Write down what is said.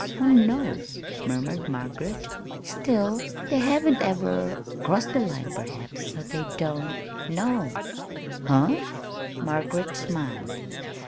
who knows?" murmured Margaret. "Still, they haven't ever crossed the line, perhaps, so they don't know." "Huh?" Margaret smiled.